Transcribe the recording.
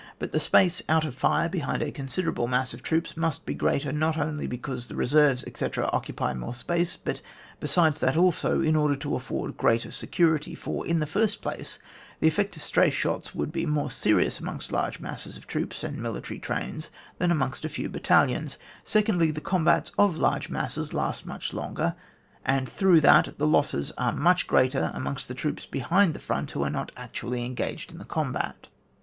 But the space (out of fire) behind a considerable mass of troops must be greater, not only because the reserves, etc., occupy more space, but, besides that also, in order to afford greater security ; for, in the first place, the effect of stray shots would be more serious amongst large masses of troops and military trains than amongst a few battalions ; secondly, the combats of large masses last much longer, and, through that, the losses are much greater amongst the troops behind the front who are not ac tually engaged in the combat.